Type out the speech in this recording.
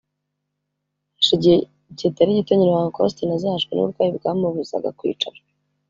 Hashize igihe kitari gito nyina wa Uncle Austin azahajwe n’uburwayi bwamubuzaga kwicara